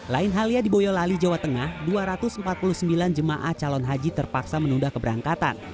lain halnya di boyolali jawa tengah dua ratus empat puluh sembilan jemaah calon haji terpaksa menunda keberangkatan